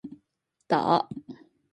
打